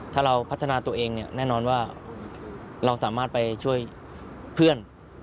ถ้าเราพัฒนาตัวเองเนี่ยแน่นอนว่าเราสามารถไปช่วยเพื่อน